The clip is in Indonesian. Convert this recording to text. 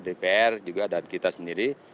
dpr juga dan kita sendiri